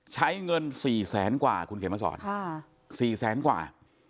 ใช้เงิน๔แสนกว่าคุณเขียนมาสอน๔แสนกว่า